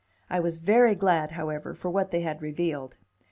I was very glad, however, for what they had revealed.